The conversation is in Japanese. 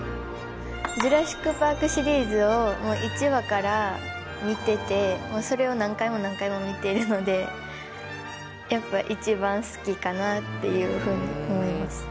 ジュラシック・パークシリーズをもう１話から見ててそれを何回も何回も見てるのでやっぱ一番好きかなっていうふうに思います。